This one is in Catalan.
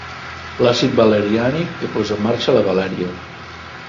Àcid valeriànic que posa en marxa la Valèria.